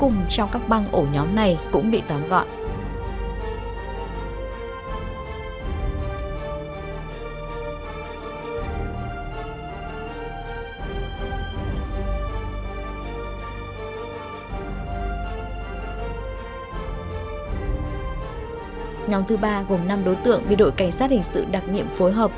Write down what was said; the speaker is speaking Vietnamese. nhóm thứ ba gồm năm đối tượng bị đội cảnh sát hình sự đặc nhiệm phối hợp